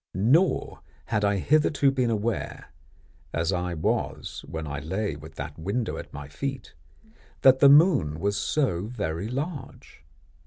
Nor had I hitherto been aware, as I was when I lay with that window at my feet, that the moon was so very large.